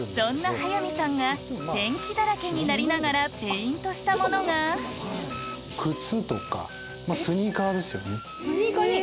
そんな速水さんがペンキだらけになりながらペイントしたものがあと。